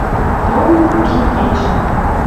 Тоны каждый кечӹнь